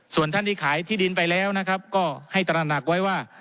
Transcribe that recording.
ส่วนท่านที่ขายที่ดินไปแล้วนะครับก็ให้ตระหนักไว้ว่า